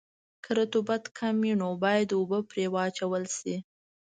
که رطوبت کم وي نو باید اوبه پرې واچول شي